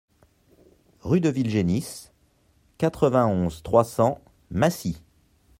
Rue de Vilgénis, quatre-vingt-onze, trois cents Massy